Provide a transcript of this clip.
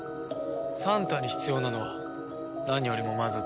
サンタに必要なのは何よりもまず体力。